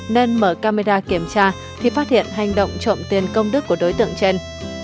nên mở camera kiểm tra khi phát hiện hành động trộm tiền công đức của đối tượng trên